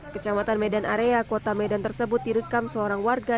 kecamatan medan area kota medan tersebut direkam seorang warga